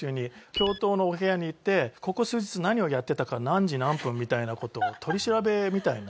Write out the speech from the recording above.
教頭のお部屋に行ってここ数日何をやっていたか何時何分みたいな事を取り調べみたいな。